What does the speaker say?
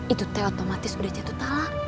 itu teh otomatis udah jatuh talak